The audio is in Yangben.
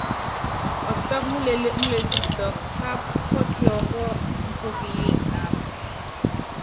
Ɔtitɔ́k múlilɛ́ múlilɛ́ tikutɔ́k pááp pɔ́tiɔkɔ́ mfɔ́k yi ŋámb.